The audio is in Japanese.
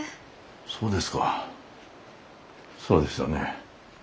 そうですかそうですよね。